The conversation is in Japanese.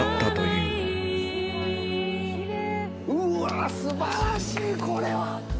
うわー、すばらしい、これは。